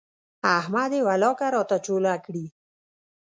احمد يې ولاکه راته چوله کړي.